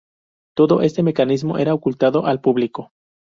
Todo este mecanismo era ocultado al público.